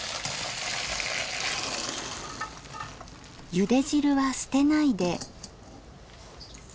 ゆで汁は捨てないで。